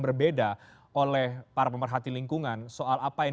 berbeda oleh para pemerhati lingkungan soal apa yang